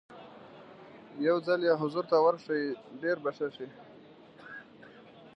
یو ځل یې حضور ته ورشئ ډېر به ښه شي.